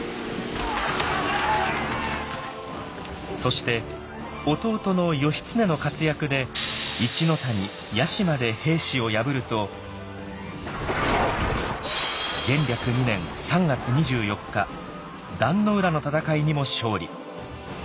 そして弟の義経の活躍で一ノ谷屋島で平氏を破ると元暦２年３月２４日壇ノ浦の戦いにも勝利。